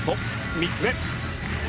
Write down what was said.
３つ目。